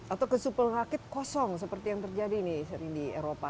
atau supermarket kosong seperti yang terjadi nih sering di eropa